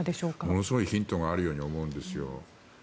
ものすごいヒントがあるように思うんですよ。